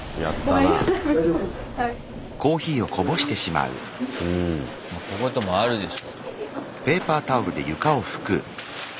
まこういうこともあるでしょ。